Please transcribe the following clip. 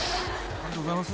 ［ありがとうございます］